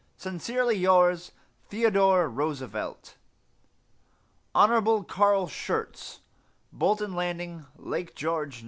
Sincerely yours, THEODORE ROOSEVELT. HON. CARL SCHURZ, Bolton Landing, Lake George, N.